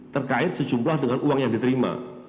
terkait sejumlah dengan uang yang diterima